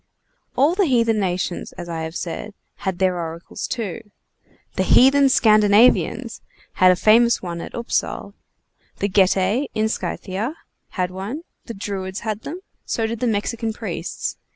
All the heathen nations, as I have said, had their oracles too. The heathen Scandinavians had a famous one at Upsal. The Getae, in Scythia, had one. The Druids had them; so did the Mexican priests.